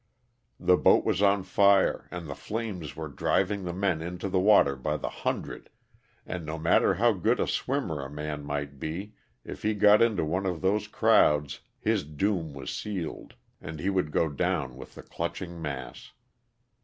The boat was on fire and the flames were driving the men into the water by the hundred, and no matter how good a swimmer a man might be if he got into one of those crowds his doom was sealed and he would go down with the clutching mass.